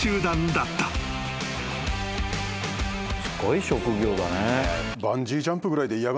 すごい職業だね。